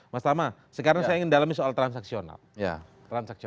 mas tama sekarang saya ingin dalami soal transaksional